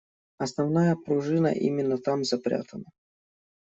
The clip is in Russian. Основная пружина именно там запрятана.